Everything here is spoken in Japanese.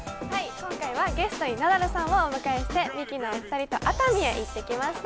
今回はゲストにナダルさんをお迎えして、ミキのお二人と熱海へ行ってきました。